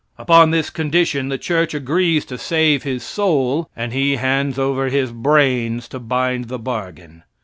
Upon this condition the church agrees to save his soul, and he hands over his brains to bind the bargain.